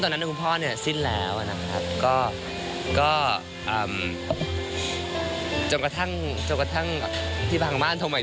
ก็เหมือนปรับ้องบอกว่าซึมประทับ